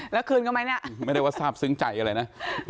แล้วคืนกันไหมไม่ได้ว่าสาปซึ้งใจอะไรนะ